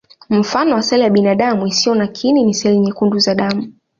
Mfano wa seli ya binadamu isiyo na kiini ni seli nyekundu za damu.